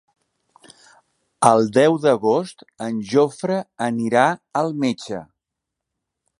El deu d'agost en Jofre anirà al metge.